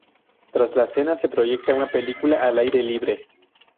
Tras la cena se proyecta una película al aire libre.